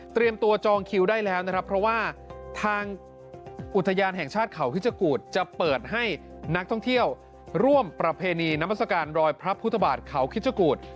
ตัวจองคิวได้แล้วนะครับเพราะว่าทางอุทยานแห่งชาติเขาพิชกูธจะเปิดให้นักท่องเที่ยวร่วมประเพณีนามัศกาลรอยพระพุทธบาทเขาคิดชะกูธ